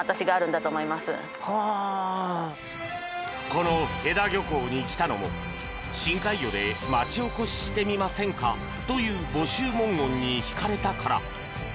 この戸田漁港に来たのも深海魚で街おこししてみませんか？という募集文言に引かれたから。